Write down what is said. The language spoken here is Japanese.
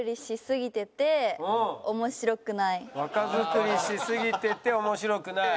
「若作りしすぎてて面白くない」。